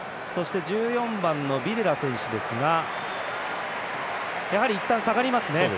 そして１４番のビデラ選手ですがやはりいったん、下がりますね。